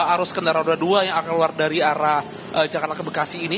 arus kendaraan roda dua yang akan keluar dari arah jakarta ke bekasi ini